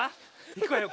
いくわよ。